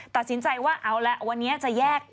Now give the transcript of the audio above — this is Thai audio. ตัดสินใจว่าเอาละวันนี้จะแยก